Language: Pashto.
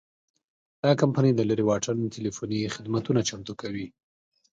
دا کمپنۍ د لرې واټن ټیلیفوني خدمتونه چمتو کوي.